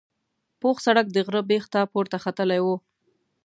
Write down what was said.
پوخ سړک د غره بیخ ته پورته ختلی و.